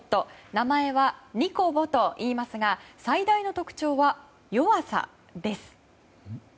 名前はＮＩＣＯＢＯといいますが最大の特徴は弱さです。